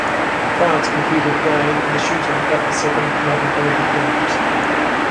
France competed again in shooting at the second modern Olympic Games.